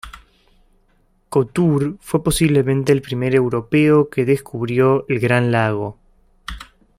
Couture fue posiblemente el primer europeo que descubrió el gran lago.